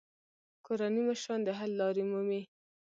کورني مشران د حل لارې مومي.